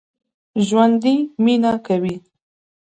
ژوندي مېنه کوي